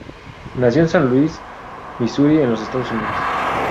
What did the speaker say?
Nació en San Luis, Misuri, en los Estados Unidos.